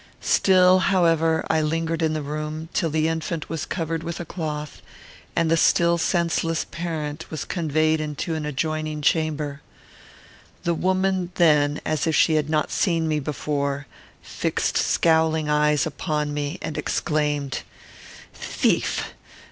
Still, however, I lingered in the room, till the infant was covered with a cloth, and the still senseless parent was conveyed into an adjoining chamber. The woman then, as if she had not seen me before, fixed scowling eyes upon me, and exclaimed, "Thief!